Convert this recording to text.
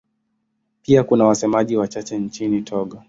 Pia kuna wasemaji wachache nchini Togo.